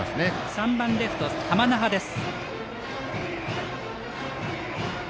３番レフト、玉那覇です。